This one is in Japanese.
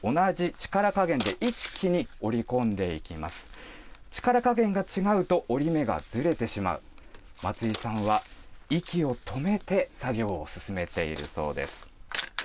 力加減が違うと、折り目がずれてしまう、松井さんは息を止めて作業を進めているそうです。